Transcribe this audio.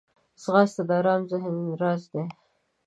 ځغاسته د ارام ذهن راز دی